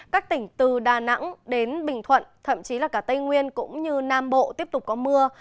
các tỉnh từ đà nẵng đến bình thuận thậm chí là cả tây nguyên cũng như nam bộ tiếp tục có mưa